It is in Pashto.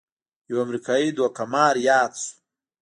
یو امریکايي دوکه مار یاد شو.